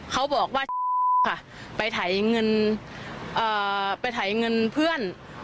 เขาบอกว่าไปถ่ายเงินไปถ่ายเงินเพื่อน